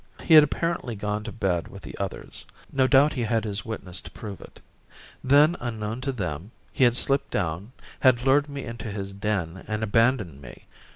He had apparently gone to bed with the others. No doubt he had his witness to prove it. Then, unknown to them, he had slipped down, had lured me into his den and abandoned me.